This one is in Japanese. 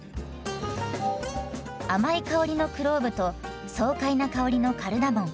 甘い香りのクローブと爽快な香りのカルダモン。